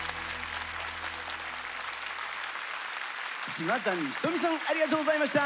島谷ひとみさんありがとうございました！